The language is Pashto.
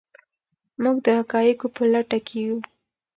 موږ د حقایقو په لټه کې یو.